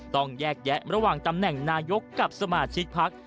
ต้องแยกแยะระหว่างตำแหน่งนายกกับสมาชิกพัก